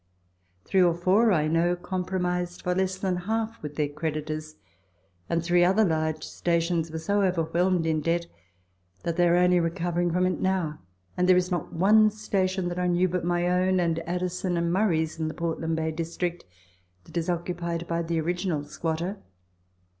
Three or four I knqw compromised for less than half with their creditors, and three other large stations were so overwhelmed in debt, that they are only recovering from it now and there is not one station, that I knew, but my own, and Addison and Murray's, in the Portland Bay District, that is occupied by the original squatter.